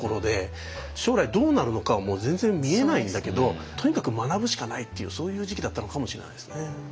将来どうなるのかも全然見えないんだけどとにかく学ぶしかないっていうそういう時期だったのかもしれないですね。